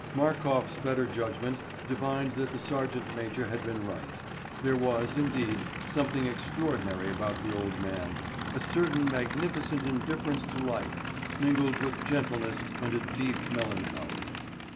Markof's better judgment divined that the sergeant major had been right: there was, indeed, something extraordinary about the old man, a certain magnificent indifference to life, mingled with gentleness and a deep melancholy.